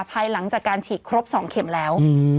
ภายหลังจากการฉีดครบ๒เข็มแล้ว